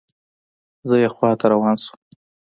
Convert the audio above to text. زه یې خواته روان شوم.